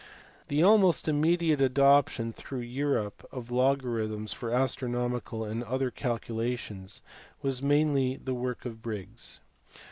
~" The^aTmost iminediateacfoption throughout Europe of loga rithms for astronomical and other calculations was mainly the work of Briggs.